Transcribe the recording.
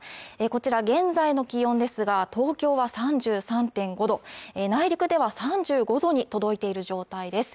こちらは現在の気温ですが東京は３３．５度内陸では３５度に届いている状態です